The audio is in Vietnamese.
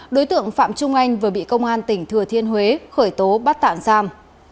đối tượng phạm trung anh vừa bị công an tỉnh thừa thiên huế khởi tố bắt tạm giam